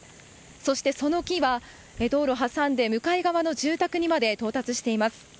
そしてその木は道路を挟んで向かい側の住宅にまで到達しています。